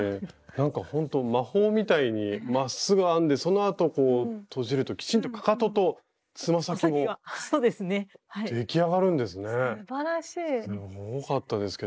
なんかほんと魔法みたいにまっすぐ編んでそのあとこうとじるときちんとかかととつま先も出来上がるんですね。